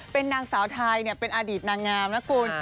เป็นนางสาวไทยเป็นอดีตนางงามนะคุณ